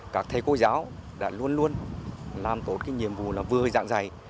các thầy cô giáo đã luôn luôn làm tốt cái nhiệm vụ là vừa dạng dạy